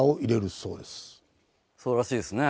そうらしいですね。